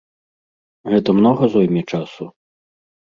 Гэта многа зойме часу?